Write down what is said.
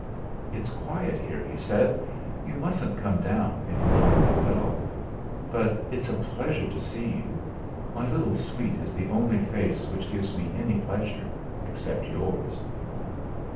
"It's quiet here," he said; "you mustn't come down if you find it dull. But it's a pleasure to see you. My little sweet is the only face which gives me any pleasure, except yours."